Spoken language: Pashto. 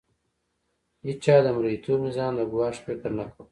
هیڅ چا د مرئیتوب نظام د ګواښ فکر نه کاوه.